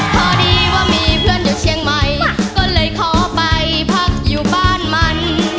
พอดีว่ามีเพื่อนอยู่เชียงใหม่ก็เลยขอไปพักอยู่บ้านมัน